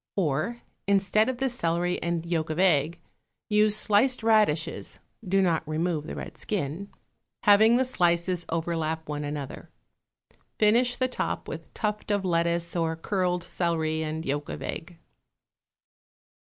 Or, instead of the celery and yolk of egg, use sliced radishes (do not remove the red skin), having the slices overlap one another. Finish the top with tuft of lettuce or curled celery and yolk of egg.